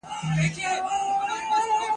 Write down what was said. په ځالۍ کي کړېدله تپیدله !.